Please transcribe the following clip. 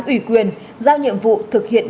ủy quyền giao nhiệm vụ thực hiện